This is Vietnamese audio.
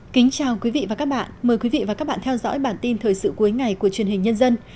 chào mừng quý vị đến với bản tin thời sự cuối ngày của truyền hình nhân dân